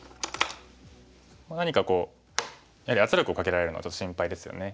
何かこうやはり圧力をかけられるのはちょっと心配ですよね。